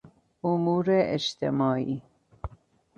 امور اجتماعی